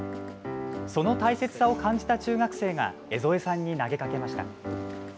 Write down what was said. その大切さを感じた中学生が江副さんに投げかけました。